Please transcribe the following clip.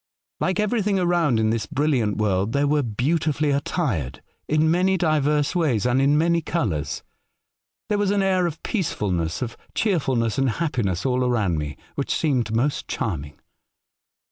Like everything around in this brilliant world, they were beautifully 58 A Voyage to Other Worlds. attired, in many divers ways and in many colours. There was an air of peacefulness, of cheerfulness and happiness, all around me, which seemed most charming.